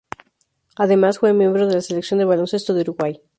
Además, fue miembro de la selección de baloncesto de Uruguay.